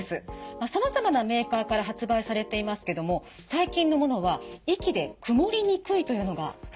さまざまなメーカーから発売されていますけども最近のものは息でくもりにくいというのが特徴です。